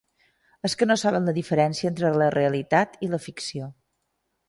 És que no saben la diferència entre la realitat i la ficció.